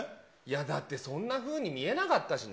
だってそんなふうに見えなかったしね。